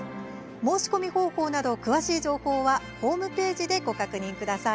申し込み方法など、詳しい情報はホームページでご確認ください。